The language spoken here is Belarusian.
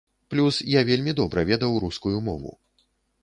Плюс я вельмі добра ведаў рускую мову.